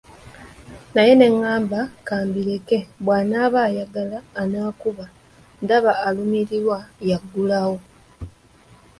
Naye ne ngamba ka mbireke bw'anaaba ayagala anaakuba ndaba alumirirwa y'aggulawo.